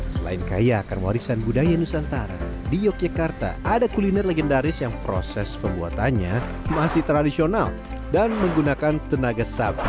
selain kaya akan warisan budaya nusantara di yogyakarta ada kuliner legendaris yang proses pembuatannya masih tradisional dan menggunakan tenaga sapi